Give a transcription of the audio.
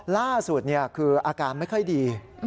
ล่าสุดคืออาการไม่ค่อยดี